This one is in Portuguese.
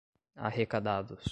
arrecadados